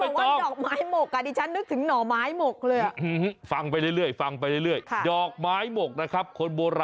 คุณเหมือนว่าดอกไม้หมกอ่ะที่ฉันนึกถึงหน่อไม้หมกเลยอ่ะฟังไปเรื่อยดอกไม้หมกนะครับ